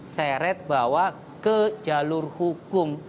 seret bawa ke jalur hukum